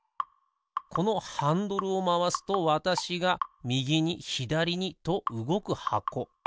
このハンドルをまわすとわたしがみぎにひだりにとうごくはこ。